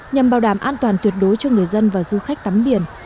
nhằm bảo đảm an toàn tuyệt đối cho người dân và du khách tắm biển